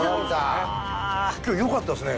今日よかったっすね。